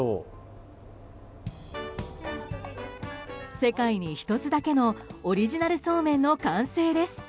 世界に１つだけのオリジナルそうめんの完成です。